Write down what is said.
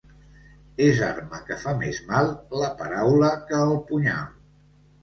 És arma que fa més mal la paraula que el punyal.